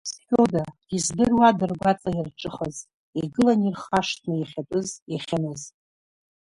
Изҳәода, издыруада ргәаҵа иарҿыхаз, игылан, ирхашҭны иахьатәыз, иахьаныз.